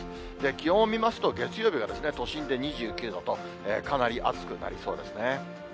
気温を見ますと、月曜日は都心で２９度と、かなり暑くなりそうですね。